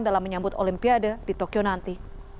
dalam menyambut olimpiade di tokyo nanti